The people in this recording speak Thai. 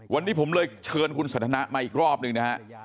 วันนี้ผมเลยเชิญคุณสันทนามาอีกรอบหนึ่งนะฮะ